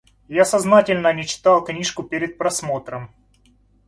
Я сознательно не читал книжку перед просмотром.